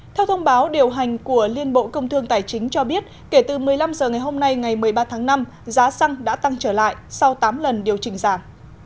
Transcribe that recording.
theo thông báo điều hành của liên bộ công thương tài chính cho biết kể từ một mươi năm h ngày hôm nay ngày một mươi ba tháng năm giá xăng đã tăng trở lại sau tám lần điều chỉnh giảm